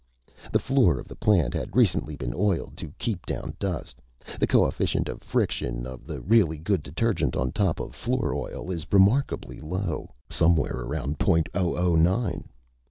The floor of the plant had recently been oiled to keep down dust. The coefficient of friction of a really good detergent on top of floor oil is remarkably low, somewhere around point oh oh nine.